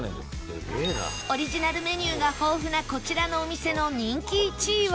オリジナルメニューが豊富なこちらのお店の人気１位は